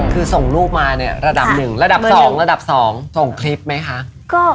คือส่งรูปมาระดับหนึ่งระดับสองส่งคลิปไหมคะ